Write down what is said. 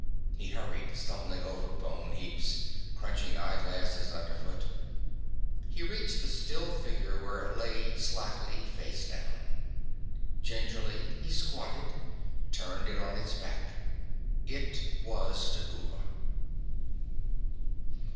He hurried, stumbling over bone heaps, crunching eyeglasses underfoot. He reached the still figure where it lay slackly, face down. Gingerly he squatted, turned it on its back. It was Dhuva.